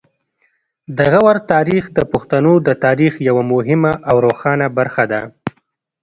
د غور تاریخ د پښتنو د تاریخ یوه مهمه او روښانه برخه ده